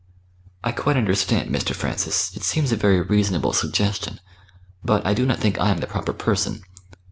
"I quite understand, Mr. Francis. It seems a very reasonable suggestion. But I do not think I am the proper person.